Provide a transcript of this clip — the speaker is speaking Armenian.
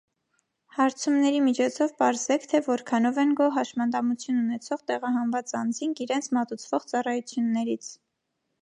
Հարցումների միջոցով պարզեք, թե որքանով են գոհ հաշմանդամություն ունեցող տեղահանված անձինք իրենց մատուցվող ծառայություններից։